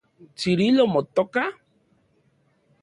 ¿Cirilo motoka?